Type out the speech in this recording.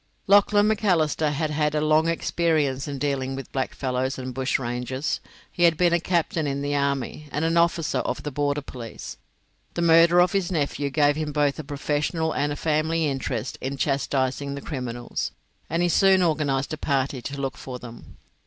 Lachlan Macalister had had a long experience in dealing with blackfellows and bushrangers; he had been a captain in the army, and an officer of the border police. The murder of his nephew gave him both a professional and a family interest in chastising the criminals, and he soon organised a party to look for them.